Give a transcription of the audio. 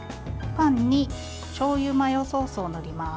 パンにしょうゆマヨソースを塗ります。